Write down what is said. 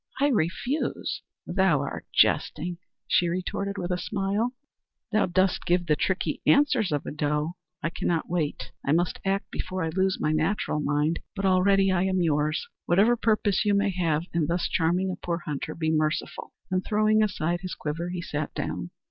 I refuse; thou art jesting!" she retorted with a smile. "Thou dost give the tricky answers of a doe. I cannot wait; I must act before I lose my natural mind. But already I am yours. Whatever purpose you may have in thus charming a poor hunter, be merciful," and, throwing aside his quiver, he sat down.